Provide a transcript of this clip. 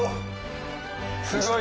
すごい！